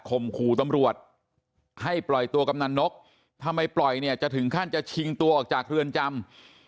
ขู่ตำรวจให้ปล่อยตัวกำนันนกทำไมปล่อยเนี่ยจะถึงขั้นจะชิงตัวออกจากเรือนจำ